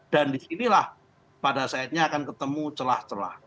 dan disinilah pada saatnya akan ketemu celah celah